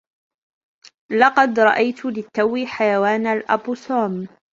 لقد رأيت للتو حيوان الأبوسوم.